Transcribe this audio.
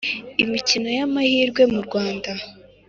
imikino y amahirwe mu Rwanda